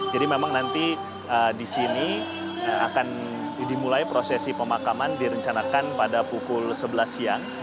jadi memang nanti di sini akan dimulai prosesi pemakaman direncanakan pada pukul sebelas siang